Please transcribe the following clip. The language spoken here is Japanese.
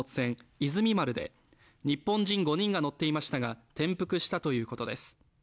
「いずみ丸」で日本人５人が乗っていましたが転覆したということです。